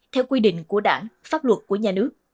theo quy định của đảng pháp luật của nhà nước